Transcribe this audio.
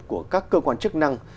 của các cơ quan chức năng